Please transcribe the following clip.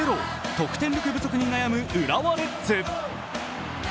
得点力不足に悩む浦和レッズ。